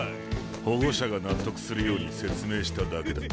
保護者が納得するように説明しただけだ。